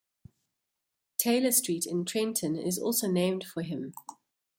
Taylor Street in Trenton is also named for him.